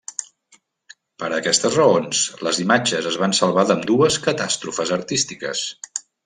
Per aquestes raons, les imatges es van salvar d'ambdues catàstrofes artístiques.